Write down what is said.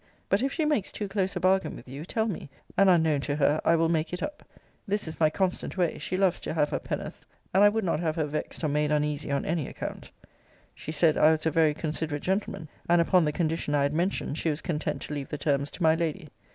But if she makes too close a bargain with you, tell me; and, unknown to her, I will make it up. This is my constant way: she loves to have her pen'orths; and I would not have her vexed or made uneasy on any account. She said, I was a very considerate gentleman; and, upon the condition I had mentioned, she was content to leave the terms to my lady.